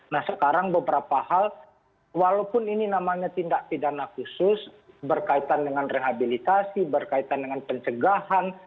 nah sekarang beberapa hal walaupun ini namanya tindak pidana khusus berkaitan dengan rehabilitasi berkaitan dengan pencegahan